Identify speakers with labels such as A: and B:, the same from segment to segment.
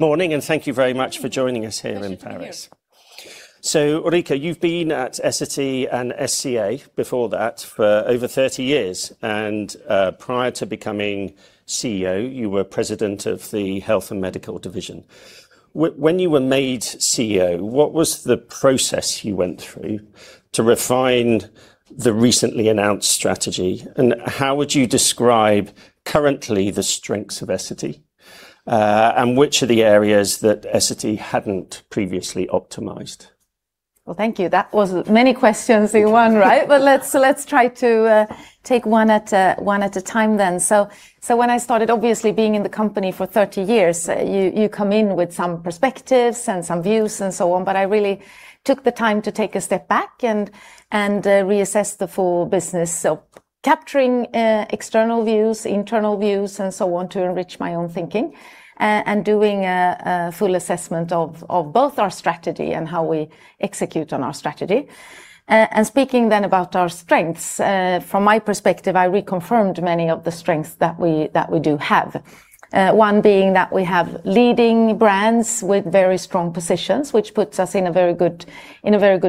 A: Good morning, thank you very much for joining us here in Paris.
B: Pleasure to be here.
A: Ulrika, you've been at Essity, and SCA before that, for over 30 years. prior to becoming Chief Executive Officer, you were president of the Health & Medical division. When you were made Chief Executive Officer, what was the process you went through to refine the recently announced strategy, and how would you describe currently the strengths of Essity? Which are the areas that Essity hadn't previously optimized?
B: Well, thank you. That was many questions in one, right? Let's try to take one at a time then. When I started, obviously being in the company for 30 years, you come in with some perspectives and some views and so on, but I really took the time to take a step back and reassess the full business. Capturing external views, internal views and so on to enrich my own thinking, and doing a full assessment of both our strategy and how we execute on our strategy. Speaking then about our strengths, from my perspective, I reconfirmed many of the strengths that we do have. One being that we have leading brands with very strong positions, which puts us in a very good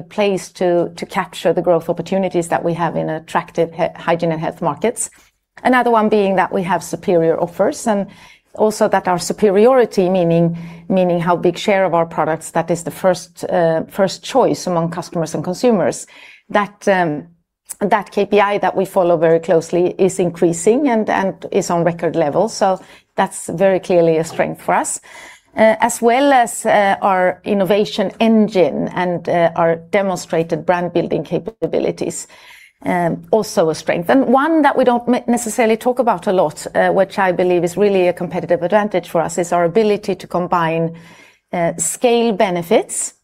B: place to capture the growth opportunities that we have in attractive hygiene and health markets. Another one being that we have superior offers, and also that our superiority, meaning how big share of our products that is the first choice among customers and consumers. That KPI that we follow very closely is increasing and is on record levels. That's very clearly a strength for us. As well as our innovation engine and our demonstrated brand-building capabilities, also a strength. One that we don't necessarily talk about a lot, which I believe is really a competitive advantage for us, is our ability to combine scale benefits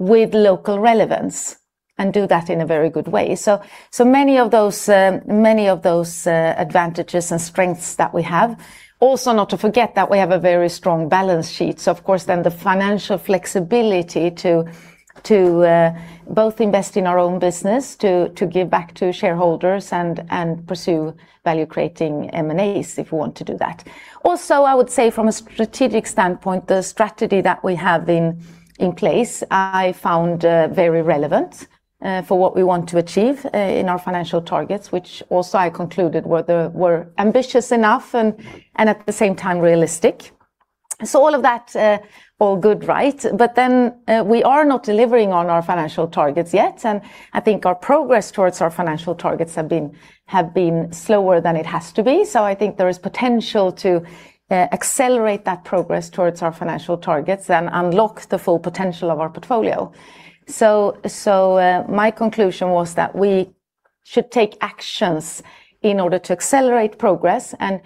B: with local relevance and do that in a very good way. Many of those advantages and strengths that we have. Not to forget that we have a very strong balance sheet, of course the financial flexibility to both invest in our own business, to give back to shareholders, and pursue value-creating M&As if we want to do that. I would say from a strategic standpoint, the strategy that we have in place I found very relevant for what we want to achieve in our financial targets, which I concluded were ambitious enough and at the same time realistic. All of that all good, right? We are not delivering on our financial targets yet, I think our progress towards our financial targets have been slower than it has to be, I think there is potential to accelerate that progress towards our financial targets and unlock the full potential of our portfolio. My conclusion was that we should take actions in order to accelerate progress and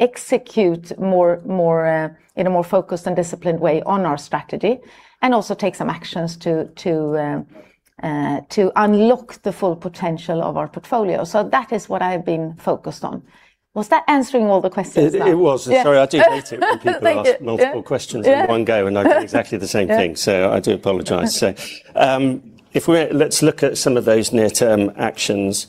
B: execute in a more focused and disciplined way on our strategy, and also take some actions to unlock the full potential of our portfolio. That is what I've been focused on. Was that answering all the questions now?
A: It was. Sorry, I do hate it when people ask.
B: Thank you. Yeah
A: multiple questions in one go, I do exactly the same thing, I do apologize. Let's look at some of those near-term actions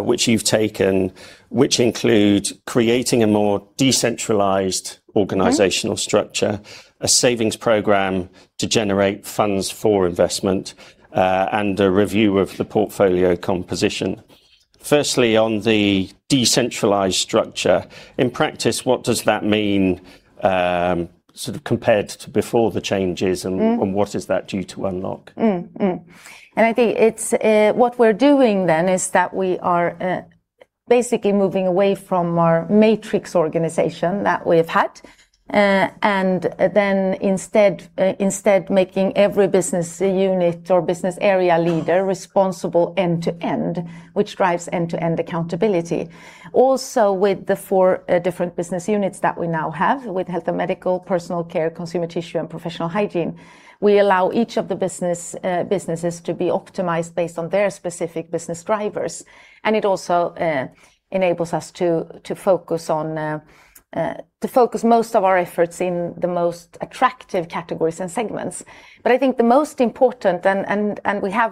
A: which you've taken, which include creating a more decentralized organizational structure, a savings program to generate funds for investment, and a review of the portfolio composition. Firstly, on the decentralized structure, in practice, what does that mean sort of compared to before the changes and what is that due to unlock?
B: I think what we're doing then is that we are basically moving away from our matrix organization that we've had, and then instead making every business unit or business area leader responsible end to end, which drives end-to-end accountability. Also with the four different business units that we now have with Health & Medical, Personal Care, Consumer Tissue, and Professional Hygiene, we allow each of the businesses to be optimized based on their specific business drivers. It also enables us to focus most of our efforts in the most attractive categories and segments. I think the most important, and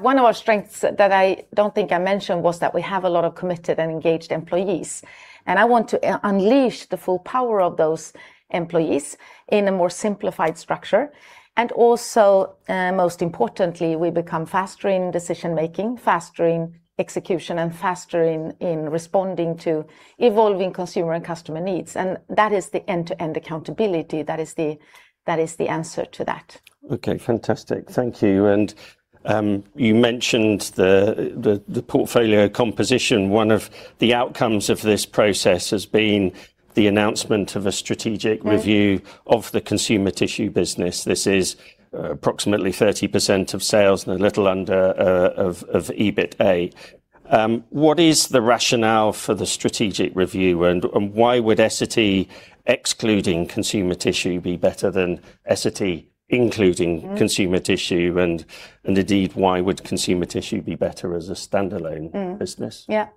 B: one of our strengths that I don't think I mentioned, was that we have a lot of committed and engaged employees, and I want to unleash the full power of those employees in a more simplified structure. Also most importantly, we become faster in decision making, faster in execution, and faster in responding to evolving consumer and customer needs, and that is the end-to-end accountability. That is the answer to that.
A: Okay, fantastic. Thank you. You mentioned the portfolio composition. One of the outcomes of this process has been the announcement of a strategic review of the Consumer Tissue business. This is approximately 30% of sales and a little under of EBITA. What is the rationale for the strategic review, and why would Essity excluding Consumer Tissue be better than Essity including Consumer Tissue? Indeed, why would Consumer Tissue be better as a standalone business?
B: Yeah.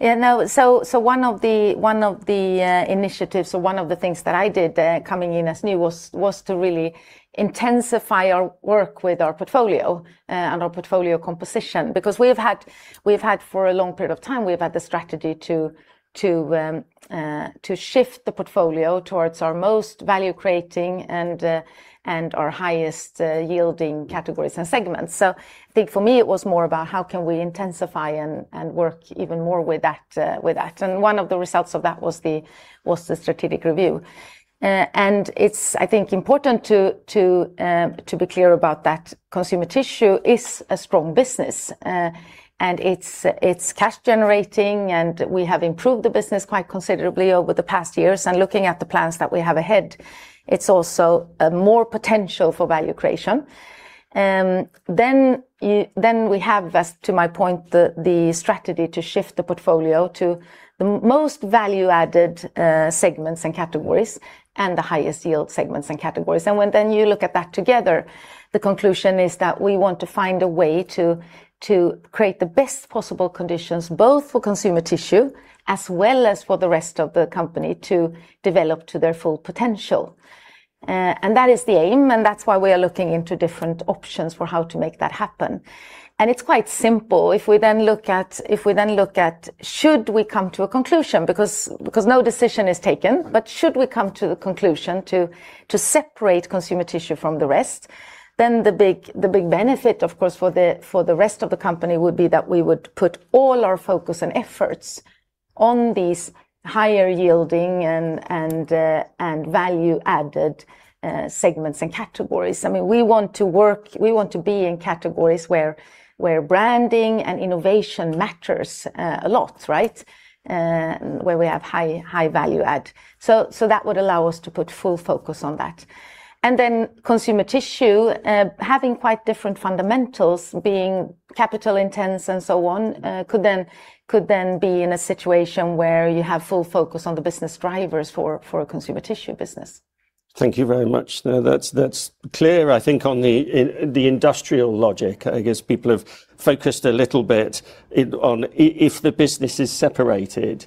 B: One of the initiatives or one of the things that I did coming in as new was to really intensify our work with our portfolio and our portfolio composition because for a long period of time, we've had the strategy to shift the portfolio towards our most value-creating and our highest-yielding categories and segments. I think for me it was more about how can we intensify and work even more with that. One of the results of that was the strategic review. It's, I think, important to be clear about that Consumer Tissue is a strong business, and it's cash generating, and we have improved the business quite considerably over the past years. Looking at the plans that we have ahead, it's also more potential for value creation. We have, as to my point, the strategy to shift the portfolio to the most value-added segments and categories and the highest yield segments and categories. When then you look at that together, the conclusion is that we want to find a way to create the best possible conditions, both for Consumer Tissue as well as for the rest of the company to develop to their full potential. That is the aim, and that's why we are looking into different options for how to make that happen. It's quite simple. If we look at should we come to a conclusion, because no decision is taken, but should we come to the conclusion to separate Consumer Tissue from the rest, the big benefit, of course, for the rest of the company would be that we would put all our focus and efforts on these higher yielding and value-added segments and categories. We want to be in categories where branding and innovation matters a lot, right? Where we have high value add. That would allow us to put full focus on that. Consumer Tissue, having quite different fundamentals, being capital intense and so on, could be in a situation where you have full focus on the business drivers for a Consumer Tissue business.
A: Thank you very much. No, that's clear. I think on the industrial logic, I guess people have focused a little bit on if the business is separated,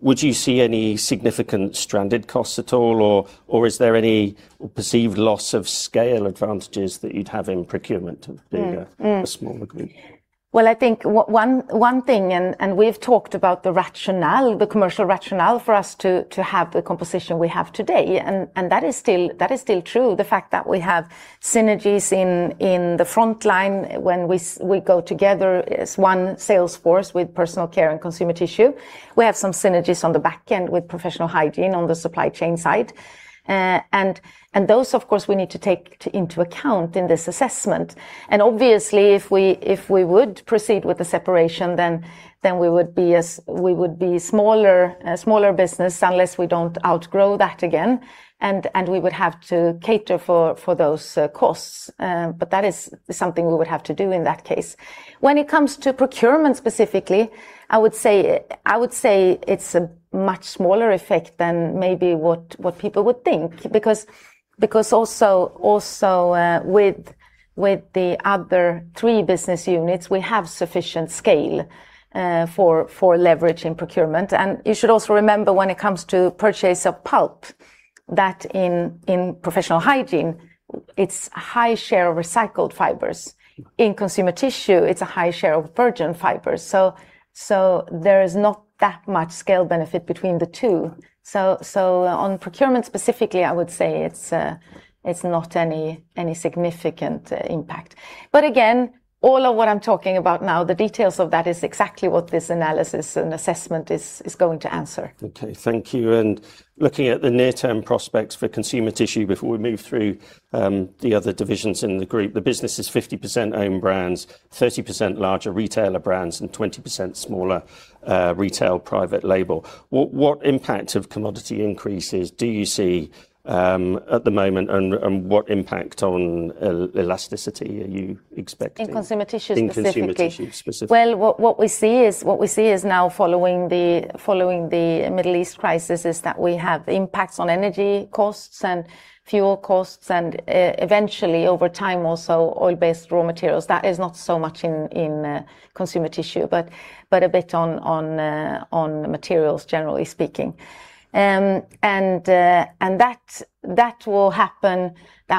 A: would you see any significant stranded costs at all, or is there any perceived loss of scale advantages that you'd have in procurement of the smaller group?
B: Well, I think one thing, we've talked about the rationale, the commercial rationale for us to have the composition we have today. That is still true. The fact that we have synergies in the frontline when we go together as one sales force with Personal Care and Consumer Tissue, we have some synergies on the backend with Professional Hygiene on the supply chain side. Those, of course, we need to take into account in this assessment. Obviously, if we would proceed with the separation, we would be a smaller business unless we don't outgrow that again, we would have to cater for those costs. That is something we would have to do in that case. When it comes to procurement specifically, I would say it's a much smaller effect than maybe what people would think because also with the other three business units, we have sufficient scale for leverage in procurement. You should also remember when it comes to purchase of pulp, that in Professional Hygiene, it's a high share of recycled fibers. In Consumer Tissue, it's a high share of virgin fibers. There is not that much scale benefit between the two. On procurement specifically, I would say it's not any significant impact. Again, all of what I'm talking about now, the details of that is exactly what this analysis and assessment is going to answer.
A: Okay, thank you. Looking at the near-term prospects for Consumer Tissue before we move through the other divisions in the group, the business is 50% own brands, 30% larger retailer brands, and 20% smaller retail private label. What impact of commodity increases do you see at the moment, what impact on elasticity are you expecting?
B: In Consumer Tissue specifically?
A: In Consumer Tissue specifically.
B: Well, what we see now following the Middle East crisis is that we have impacts on energy costs and fuel costs and eventually over time also oil-based raw materials. That is not so much in Consumer Tissue, but a bit on materials generally speaking. That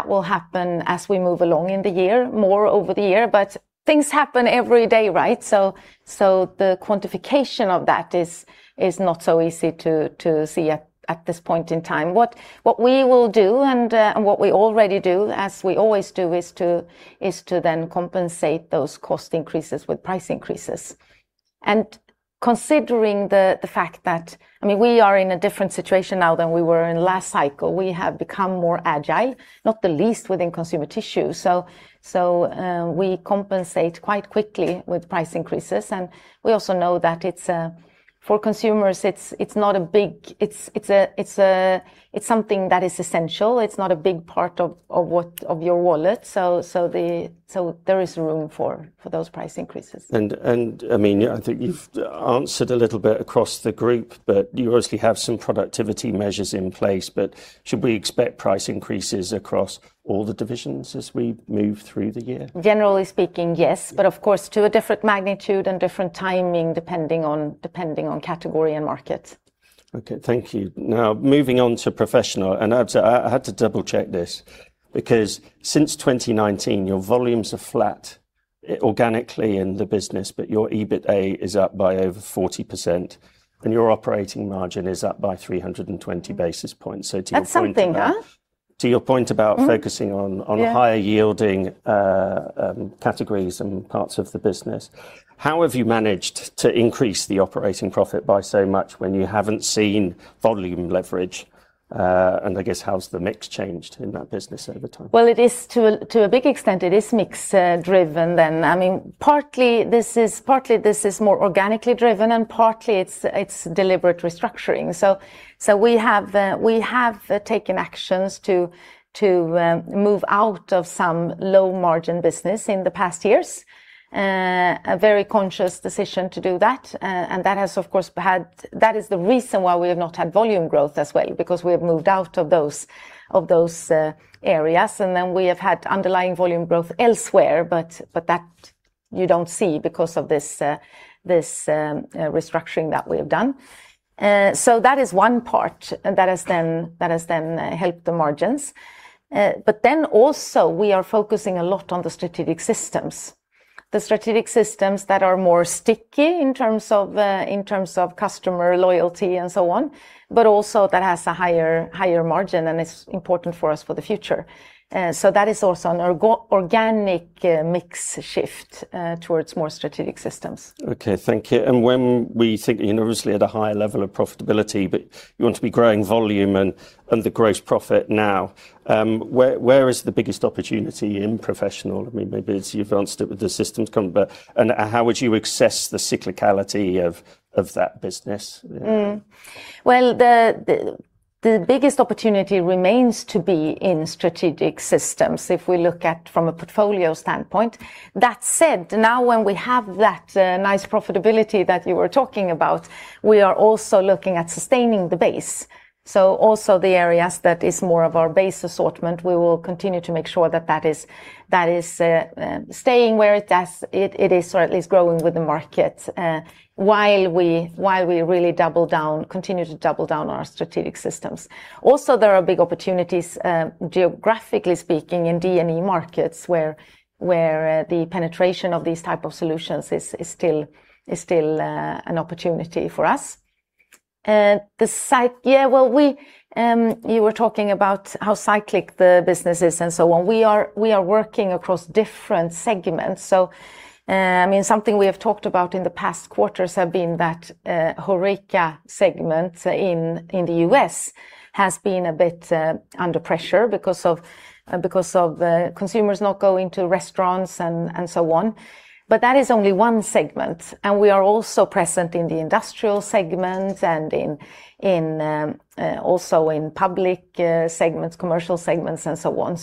B: will happen as we move along in the year, more over the year. Things happen every day, right? The quantification of that is not so easy to see at this point in time. What we will do and what we already do, as we always do, is to then compensate those cost increases with price increases. Considering the fact that we are in a different situation now than we were in last cycle. We have become more agile, not the least within Consumer Tissue. We compensate quite quickly with price increases, and we also know that for consumers it's something that is essential. It's not a big part of your wallet, there is room for those price increases.
A: Ulrika, I think you've answered a little bit across the group, but you obviously have some productivity measures in place, but should we expect price increases across all the divisions as we move through the year?
B: Generally speaking, yes. Of course, to a different magnitude and different timing depending on category and market.
A: Okay, thank you. Moving on to Professional, and I have to double-check this because since 2019, your volumes are flat organically in the business, but your EBITA is up by over 40%, and your operating margin is up by 320 basis points.
B: That's something, huh?
A: To your point about focusing on.
B: Yeah
A: higher-yielding categories and parts of the business, how have you managed to increase the operating profit by so much when you haven't seen volume leverage? I guess how's the mix changed in that business over time?
B: Well, to a big extent, it is mix driven then. Partly this is more organically driven, and partly it's deliberate restructuring. We have taken actions to move out of some low-margin business in the past years. A very conscious decision to do that, and that is the reason why we have not had volume growth as well, because we have moved out of those areas, and then we have had underlying volume growth elsewhere, but that you don't see because of this restructuring that we have done. That is one part that has then helped the margins. Also, we are focusing a lot on the strategic systems, the strategic systems that are stickier in terms of customer loyalty and so on, but also that have a higher margin and are important for us for the future. That is also an organic mix shift towards more strategic systems.
A: Okay, thank you. When we think, obviously at a higher level of profitability, but you want to be growing volume and the gross profit now, where is the biggest opportunity in Professional? Maybe you've answered it with the systems comment, but, how would you assess the cyclicality of that business?
B: Well, the biggest opportunity remains to be in strategic systems if we look at it from a portfolio standpoint. That said, now when we have that nice profitability that you were talking about, we are also looking at sustaining the base. Also the areas that are more of our base assortment, we will continue to make sure that that is staying where it is or at least growing with the market, while we really continue to double down on our strategic systems. Also, there are big opportunities geographically speaking in D&E markets, where the penetration of these types of solutions is still an opportunity for us. You were talking about how cyclic the business is and so on. We are working across different segments, so something we have talked about in the past quarters has been that HORECA segment in the U.S. has been a bit under pressure because of consumers not going to restaurants and so on. That is only one segment, and we are also present in the industrial segment and also in public segments, commercial segments, and so on.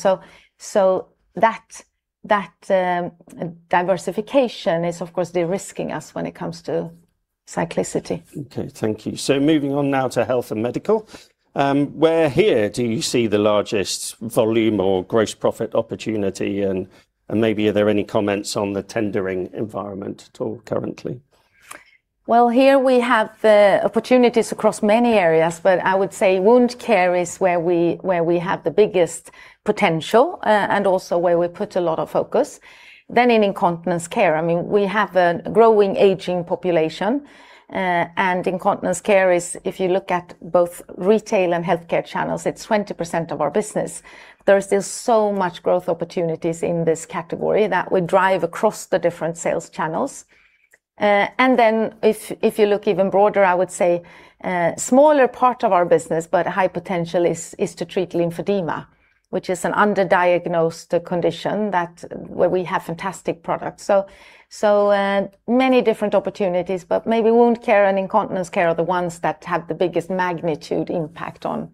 B: That diversification is, of course, de-risking us when it comes to cyclicity.
A: Okay, thank you. Moving on now to Health & Medical. Where here do you see the largest volume or gross profit opportunity, and maybe are there any comments on the tendering environment at all currently?
B: Here we have opportunities across many areas, but I would say wound care is where we have the biggest potential and also where we put a lot of focus. In incontinence care, we have a growing aging population, and incontinence care is, if you look at both retail and healthcare channels, it's 20% of our business. There are still so many growth opportunities in this category that we drive across the different sales channels. If you look even broader, I would say a smaller part of our business, but high potential is to treat lymphedema, which is an underdiagnosed condition where we have fantastic products. Many different opportunities, but maybe wound care and incontinence care are the ones that have the biggest magnitude impact on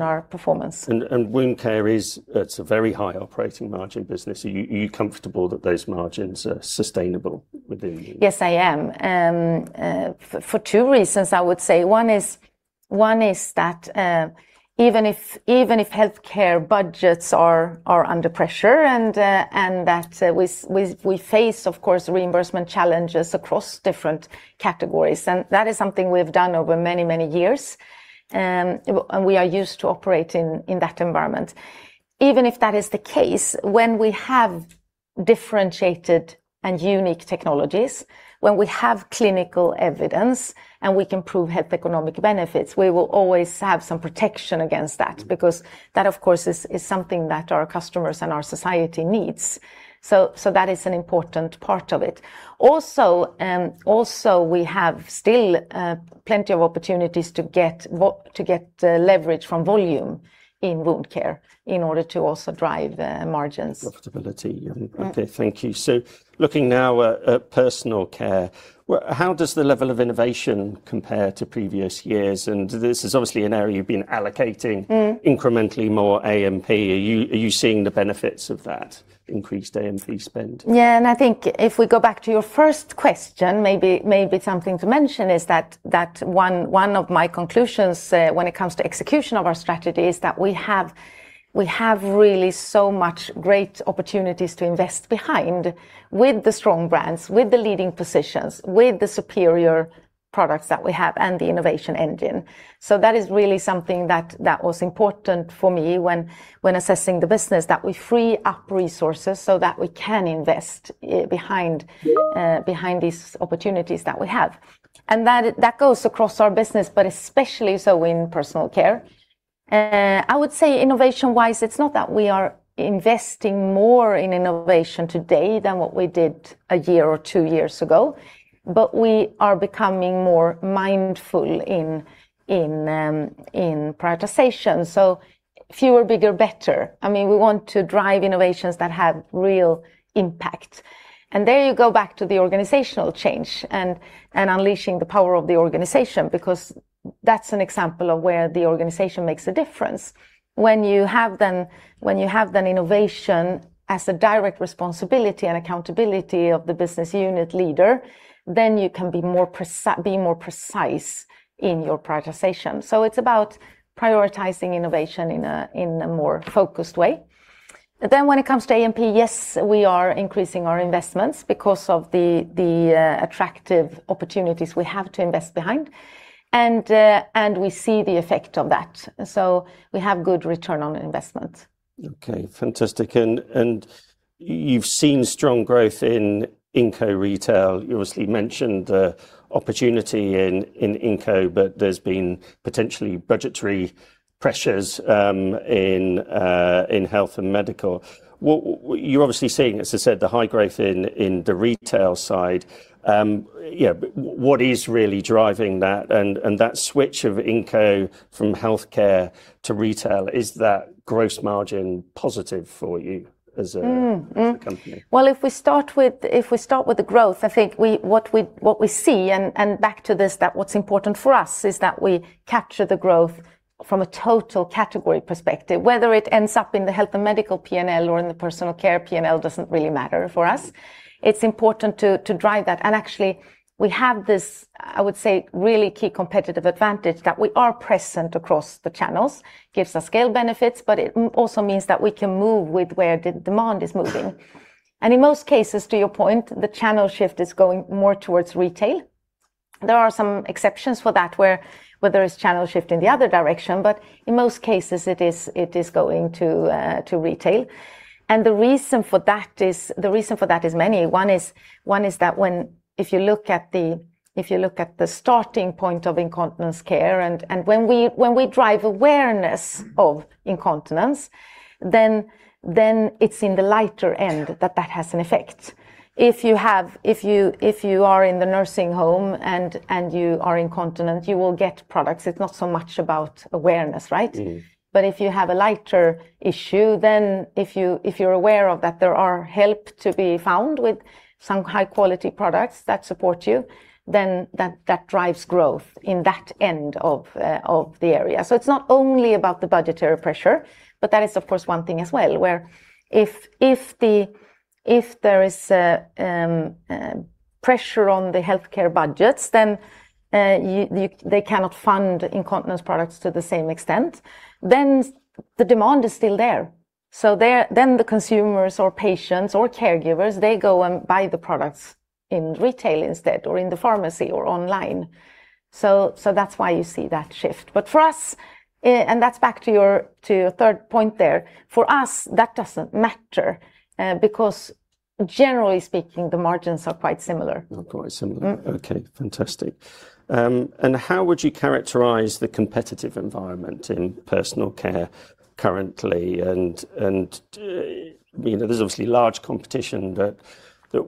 B: our performance.
A: Wound care is at a very high operating margin business. Are you comfortable that those margins are sustainable within you?
B: Yes, I am. For two reasons, I would say. One is that even if healthcare budgets are under pressure and that we face, of course, reimbursement challenges across different categories, and that is something we've done over many, many years, and we are used to operating in that environment. Even if that is the case, when we have differentiated and unique technologies. When we have clinical evidence and we can prove health economic benefits, we will always have some protection against that, because that, of course, is something that our customers and our society needs. That is an important part of it. Also, we have still plenty of opportunities to get leverage from volume in wound care in order to also drive margins.
A: Profitability. Okay, thank you. Looking now at Personal Care, how does the level of innovation compare to previous years? incrementally more A&P. Are you seeing the benefits of that increased A&P spend?
B: I think if we go back to your first question, maybe something to mention is that one of my conclusions, when it comes to execution of our strategy, is that we have really so much great opportunities to invest behind with the strong brands, with the leading positions, with the superior products that we have, and the innovation engine. That is really something that was important for me when assessing the business, that we free up resources so that we can invest behind these opportunities that we have. That goes across our business, but especially so in Personal Care. I would say innovation-wise, it's not that we are investing more in innovation today than what we did one year or two years ago, but we are becoming more mindful in prioritization. Fewer, bigger, better. We want to drive innovations that have real impact. There you go back to the organizational change and unleashing the power of the organization because that's an example of where the organization makes a difference. When you have then innovation as a direct responsibility and accountability of the business unit leader, then you can be more precise in your prioritization. It's about prioritizing innovation in a more focused way. When it comes to A&P, yes, we are increasing our investments because of the attractive opportunities we have to invest behind, and we see the effect of that. We have good return on investment.
A: Okay, fantastic. You've seen strong growth in Inco retail. You obviously mentioned opportunity in Inco, but there's been potentially budgetary pressures in Health & Medical. You're obviously seeing, as I said, the high growth in the retail side. What is really driving that? That switch of Inco from healthcare to retail, is that gross margin positive for you as a company?
B: Well, if we start with the growth, I think what we see, back to this, that what's important for us is that we capture the growth from a total category perspective. Whether it ends up in the Health & Medical P&L or in the Personal Care P&L doesn't really matter for us. It's important to drive that. Actually, we have this, I would say, really key competitive advantage that we are present across the channels, gives us scale benefits, but it also means that we can move with where the demand is moving. In most cases, to your point, the channel shift is going more towards retail. There are some exceptions for that where there is channel shift in the other direction, but in most cases, it is going to retail. The reason for that is many. One is that if you look at the starting point of incontinence care and when we drive awareness of incontinence, then it's in the lighter end that that has an effect. If you are in the nursing home and you are incontinent, you will get products. It's not so much about awareness, right? If you have a lighter issue, then if you're aware of that, there are help to be found with some high-quality products that support you, then that drives growth in that end of the area. It's not only about the budgetary pressure, but that is, of course, one thing as well, where if there is pressure on the healthcare budgets, then they cannot fund incontinence products to the same extent. The demand is still there. The consumers or patients or caregivers, they go and buy the products in retail instead or in the pharmacy or online. That's why you see that shift. For us, and that's back to your third point there, for us, that doesn't matter, because generally speaking, the margins are quite similar.
A: Are quite similar. Okay, fantastic. How would you characterize the competitive environment in Personal Care currently? There's obviously large competition that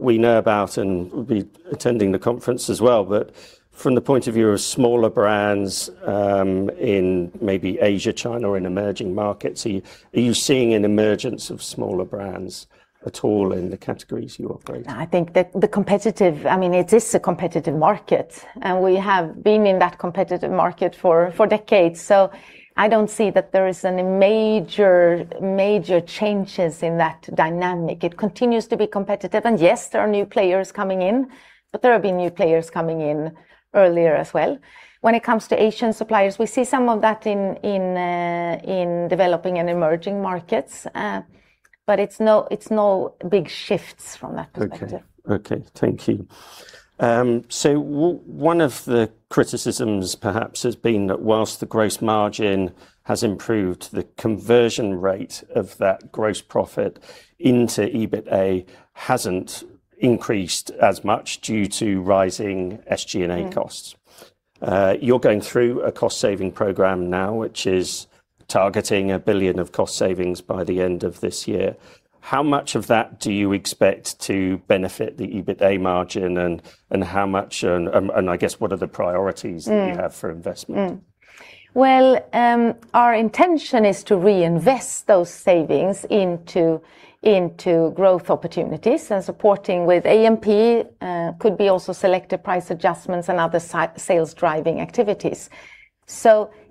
A: we know about and will be attending the conference as well, but from the point of view of smaller brands in maybe Asia, China, or in emerging markets, are you seeing an emergence of smaller brands at all in the categories you operate?
B: I think that it is a competitive market, and we have been in that competitive market for decades. I don't see that there is any major changes in that dynamic. It continues to be competitive, and yes, there are new players coming in, but there have been new players coming in earlier as well. When it comes to Asian suppliers, we see some of that in developing and emerging markets. It's no big shift from that perspective.
A: Okay. Thank you. One of the criticisms perhaps has been that whilst the gross margin has improved, the conversion rate of that gross profit into EBITA hasn't increased as much due to rising SG&A costs. You're going through a cost-saving program now, which is targeting 1 billion of cost savings by the end of this year. How much of that do you expect to benefit the EBITA margin? I guess, what are the priorities? that you have for investment?
B: Well, our intention is to reinvest those savings into growth opportunities and supporting with A&P could be also selective price adjustments and other sales-driving activities.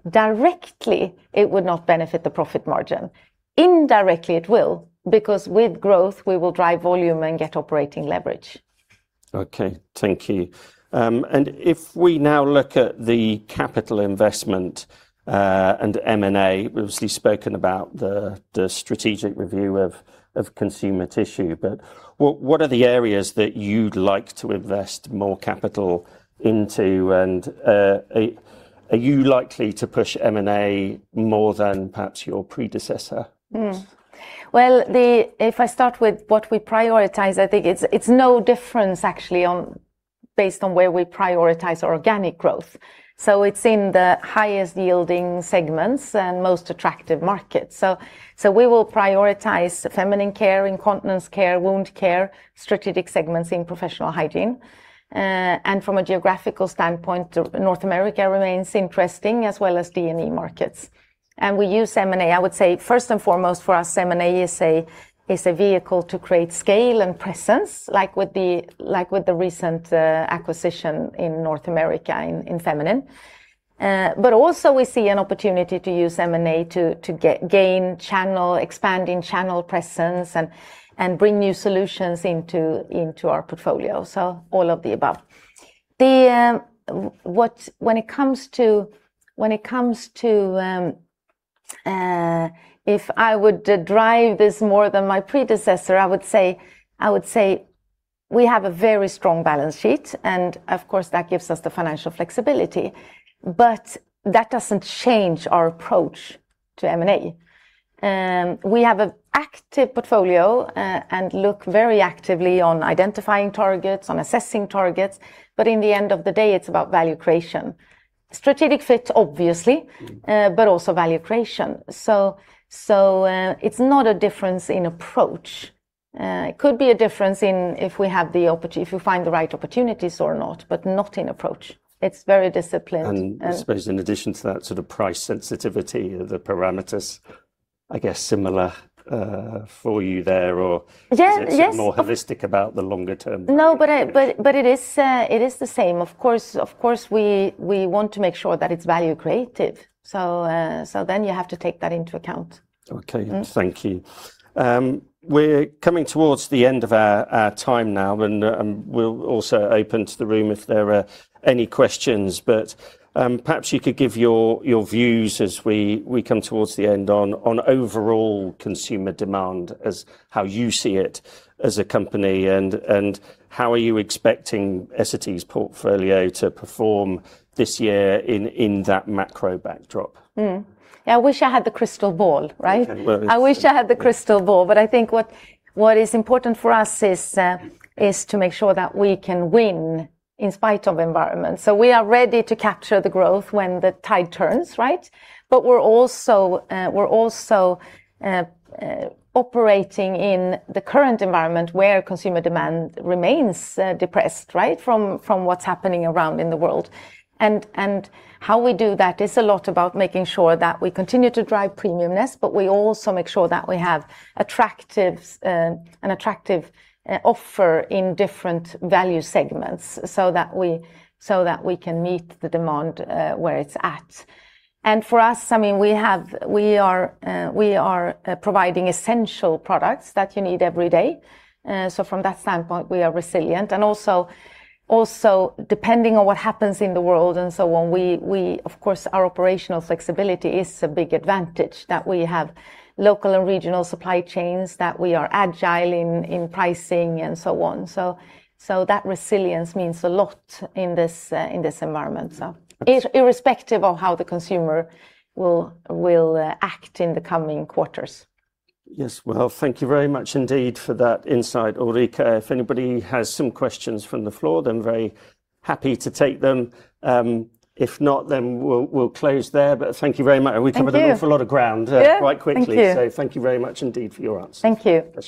B: Directly, it would not benefit the profit margin. Indirectly it will, because with growth we will drive volume and get operating leverage.
A: Okay. Thank you. If we now look at the capital investment, and M&A, we've obviously spoken about the strategic review of Consumer Tissue. What are the areas that you'd like to invest more capital into? Are you likely to push M&A more than perhaps your predecessor?
B: Well, if I start with what we prioritize, I think it's no difference actually based on where we prioritize organic growth. It's in the highest-yielding segments and most attractive markets. We will prioritize Feminine Care, Incontinence Care, Wound Care, strategic segments in Professional Hygiene. From a geographical standpoint, North America remains interesting as well as D&E markets. We use M&A, I would say first and foremost for us, M&A is a vehicle to create scale and presence, like with the recent acquisition in North America in Feminine. Also we see an opportunity to use M&A to gain channel, expanding channel presence, and bring new solutions into our portfolio. All of the above. When it comes to if I would drive this more than my predecessor, I would say we have a very strong balance sheet, and of course, that gives us the financial flexibility, but that doesn't change our approach to M&A. We have an active portfolio and look very actively on identifying targets, on assessing targets, but in the end of the day, it's about value creation. Strategic fit, obviously. Also value creation. It's not a difference in approach. It could be a difference if you find the right opportunities or not, but not in approach. It's very disciplined.
A: I suppose in addition to that sort of price sensitivity, the parameters, I guess similar for you there.
B: Yeah
A: is it more holistic about the longer-term value creation?
B: No, it is the same. Of course, we want to make sure that it's value-accreative, so then you have to take that into account.
A: Okay. Thank you. We're coming towards the end of our time now, and we'll also open to the room if there are any questions. Perhaps you could give your views as we come towards the end on overall consumer demand as how you see it as a company, and how are you expecting Essity's portfolio to perform this year in that macro backdrop?
B: I wish I had the crystal ball, right?
A: Okay, well.
B: I wish I had the crystal ball, but I think what is important for us is to make sure that we can win in spite of environment. We are ready to capture the growth when the tide turns, right? We're also operating in the current environment where consumer demand remains depressed, right, from what's happening around in the world. How we do that is a lot about making sure that we continue to drive premiumness, but we also make sure that we have an attractive offer in different value segments so that we can meet the demand where it's at. For us, we are providing essential products that you need every day. From that standpoint, we are resilient, and also depending on what happens in the world and so on, of course, our operational flexibility is a big advantage that we have local and regional supply chains, that we are agile in pricing and so on. That resilience means a lot in this environment. Irrespective of how the consumer will act in the coming quarters.
A: Yes. Well, thank you very much indeed for that insight, Ulrika. If anybody has some questions from the floor, then very happy to take them. If not, then we'll close there. Thank you very much.
B: Thank you.
A: We covered an awful lot of ground.
B: Yeah
A: quite quickly.
B: Thank you.
A: Thank you very much indeed for your answers.
B: Thank you.
A: Pleasure